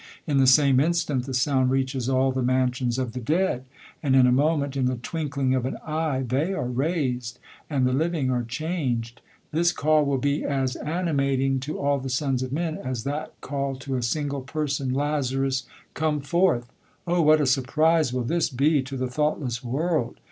In the same instant the sound reaches all the mansions of the dead ; and in^a ; moment, in the twinkling of an eye, they are raised, and the living are changed. This call will be as ani mating to all the sons bf men, as that call to a single person, *' Lazarus, come forth." O what a surprise will this be to the thoughtless world